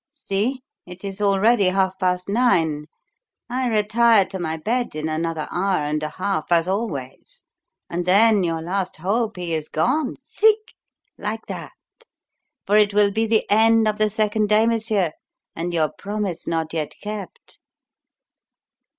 See, it is already half past nine; I retire to my bed in another hour and a half, as always, and then your last hope he is gone z zic! like that; for it will be the end of the second day, monsieur, and your promise not yet kept.